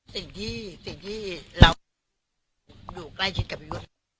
สิ่งที่สิ่งที่เราอยู่ใกล้ชิดกับข้อมูล